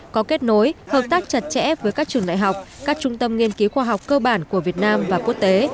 có kết nối hợp tác chặt chẽ với các trường đại học các trung tâm nghiên cứu khoa học cơ bản của việt nam và quốc tế